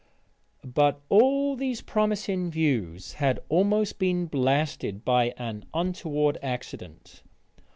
But all these promising views had almost been blasted by an untoward accident.